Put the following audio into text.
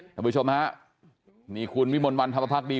ท่านผู้ชมฮะนี่คุณวิมลวันธรรมภักดี